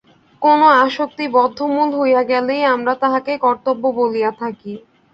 কোন আসক্তি বদ্ধমূল হইয়া গেলেই আমরা তাহাকে কর্তব্য বলিয়া থাকি।